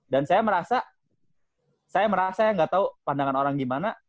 dan saya merasa saya merasa saya gak tau pandangan orang gimana